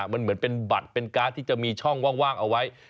มันเหมือนเป็นบัตรเป็นการ์ดที่จะมีช่องว่างเอาไว้